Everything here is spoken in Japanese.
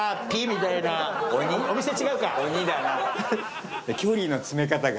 お店違うか。